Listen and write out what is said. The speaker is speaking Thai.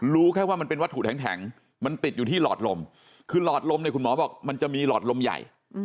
รู้แค่ว่ามันเป็นวัตถุแข็งมันติดอยู่ที่หลอดลมคือหลอดลมเนี่ยคุณหมอบอกมันจะมีหลอดลมใหญ่